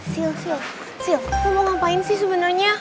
sil sil sil lo mau ngapain sih sebenernya